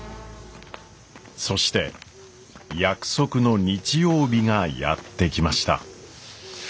そして約束の日曜日がやって来ました。